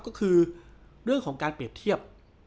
ก็คือเรื่องของการเปรียบเทียบ